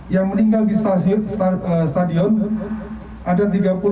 yang meninggal di stadion ada tiga puluh tiga